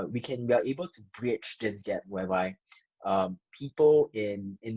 dengan cara orang indonesia yang berkembang yang kurang